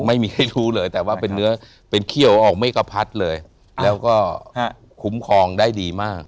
ไม่มีใครรู้เลยแต่ว่าเป็นเนื้อเป็นเขี้ยวออกไม่กระพัดเลยแล้วก็คุ้มครองได้ดีมาก